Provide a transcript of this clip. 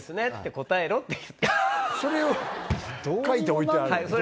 それを書いて置いてある。